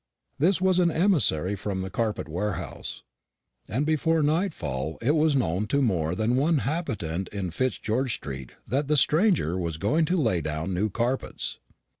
This was an emissary from the carpet warehouse; and before nightfall it was known to more than one inhabitant in Fitzgeorge street that the stranger was going to lay down new carpets.